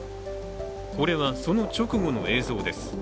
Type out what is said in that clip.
これはその直後の映像です。